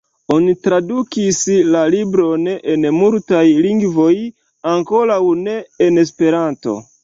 Oni tradukis la libron en multaj lingvoj, ankoraŭ ne en Esperanto.